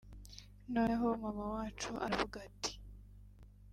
noneho mama wacu aravuga ati